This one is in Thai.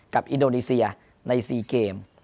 อินโดนีเซียใน๔เกม